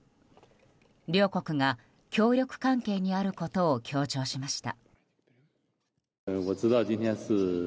両国が協力関係にあることを強調しました。